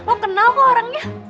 lo kenal kok orangnya